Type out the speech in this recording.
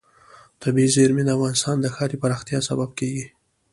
طبیعي زیرمې د افغانستان د ښاري پراختیا سبب کېږي.